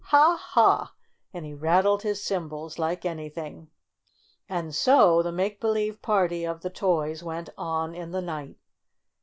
Ha, Ha !" and he rattled his cymbals like any thing. And so the make believe party of the toys went on in the night.